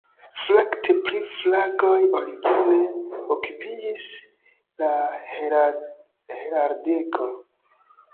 Fakte pri flagoj origine okupiĝis la heraldiko.